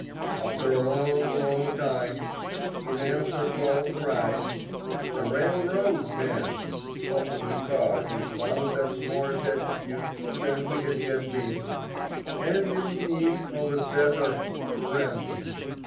After a long, long time, in answer to our cries, a railroad man opened the car and found us more destitute than we had yet been, and in need of a better friend